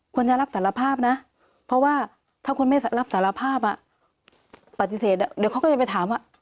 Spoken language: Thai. คุณจะรับสารภาพนะเพราะว่าถ้าคุณไม่รับสารภาพปฏิเสธเดี๋ยวเขาก็จะไปถามว่า